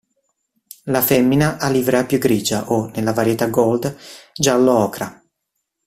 La femmina ha livrea più grigia o, nella varietà gold, giallo ocra.